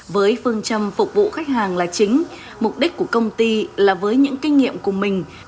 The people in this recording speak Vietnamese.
với phương châm phục vụ khách hàng là chính mục đích của công ty là với những kinh nghiệm của mình